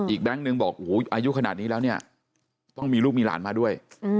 แก๊งนึงบอกอายุขนาดนี้แล้วเนี่ยต้องมีลูกมีหลานมาด้วย